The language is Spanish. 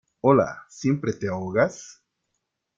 hola. siempre te ahogas